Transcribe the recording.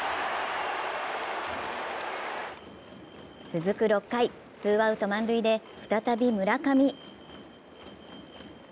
続く６回、ツーアウト満塁で再び村上。